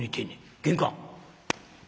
玄関？